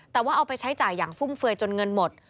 แต่ว่าเอาไปใช้จ่ายอย่างฟุ่มเฟือยจนเงินหมด